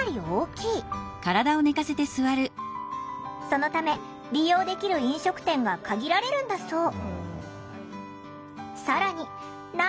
そのため利用できる飲食店が限られるんだそう。